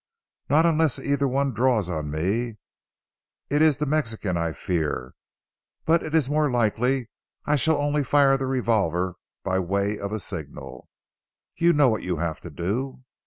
"Not unless either one draws on me. It is the Mexican I fear. But it is the more likely I shall only fire the revolver by way of a signal. You know what you have to do?"